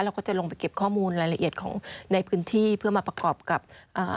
เราก็จะลงไปเก็บข้อมูลรายละเอียดของในพื้นที่เพื่อมาประกอบกับอ่า